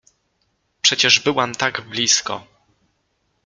— Przecież byłam tak blisko!